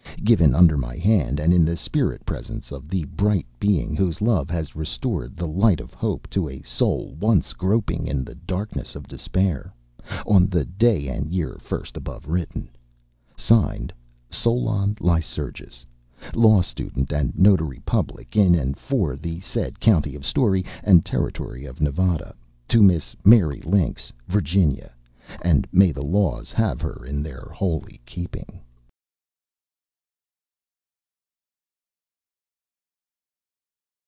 Given under my hand, and in the spirit presence of the bright being whose love has restored the light of hope to a soul once groping in the darkness of despair, on the day and year first above written. (Signed) SOLON LYCURGUS. Law Student, and Notary Public in and for the said County of Storey, and Territory of Nevada. To Miss Mary Links, Virginia (and may the laws have her in their holy keeping).